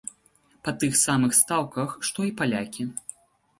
Па тых самых стаўках, што і палякі.